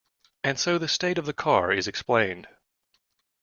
And so the state of the car is explained.